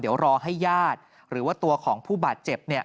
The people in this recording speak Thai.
เดี๋ยวรอให้ญาติหรือว่าตัวของผู้บาดเจ็บ